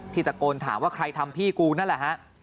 ตะโกนถามว่าใครทำพี่กูนั่นแหละฮะ